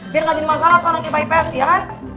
biar gak jadi masalah tuh anak ipa ips ya kan